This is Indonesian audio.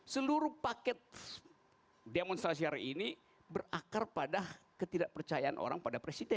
seluruh paket demonstrasi hari ini berakar pada ketidakpercayaan orang pada presiden